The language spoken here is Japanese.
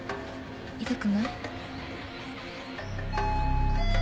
痛くない？